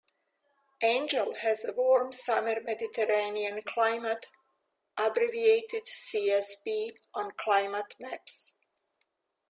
Angel has a warm-summer Mediterranean climate, abbreviated "Csb" on climate maps.